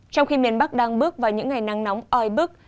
trong khi miền bắc đang bước vào những ngày nắng nóng oi bức